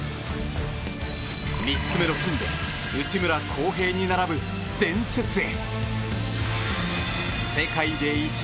３つ目の金で内村航平に並ぶ伝説へ。